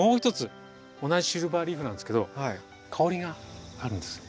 同じシルバーリーフなんですけど香りがあるんですよ。